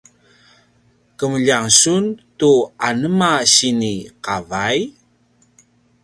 kemeljang sun tu anema sini qavay?